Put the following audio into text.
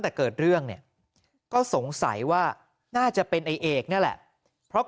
แต่เกิดเรื่องเนี่ยก็สงสัยว่าน่าจะเป็นไอ้เอกนี่แหละเพราะ